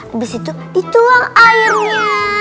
abis itu dituang airnya